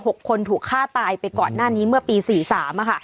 หกคนถูกฆ่าตายไปก่อนหน้านี้เมื่อปีสี่สามอะค่ะ